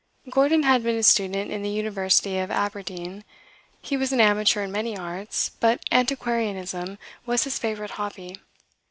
Gordon had been a student in the University of Aberdeen; he was an amateur in many arts, but antiquarianism was his favourite hobby.